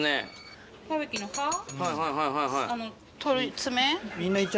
爪。